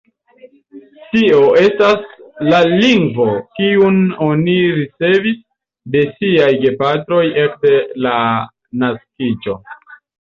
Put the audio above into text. Tio estas la lingvo, kiun oni ricevis de siaj gepatroj ekde la naskiĝo.